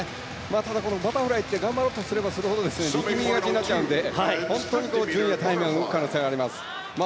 ただ、バタフライって頑張ろうとすればするほど力みがちになっちゃうんで本当に動く可能性があります。